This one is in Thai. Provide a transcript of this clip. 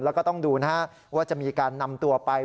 แล้วก็ต้องดูนะฮะว่าจะมีการนำตัวไป